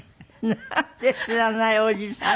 なんで知らないおじさんの。